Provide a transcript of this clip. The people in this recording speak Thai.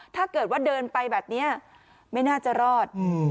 ถ้าเกิดว่าเดินไปแบบนี้ไม่น่าจะรอด